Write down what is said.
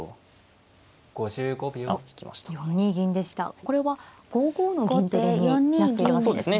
これは５五の銀取りになっているわけですね。